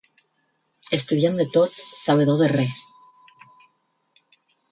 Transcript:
Estudiant de tot, sabedor de res.